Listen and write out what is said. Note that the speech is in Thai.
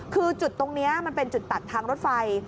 คือจุดตรงนี้มันเป็นจุดตัดทางรถไฟ